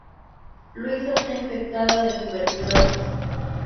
Luisa está infectada de tuberculosis.